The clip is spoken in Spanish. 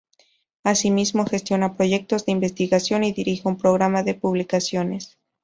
Asimismo, gestiona proyectos de investigación y dirige un programa de publicaciones.